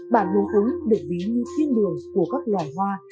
bản lùng cúng được ví như thiên đường của các loài hoa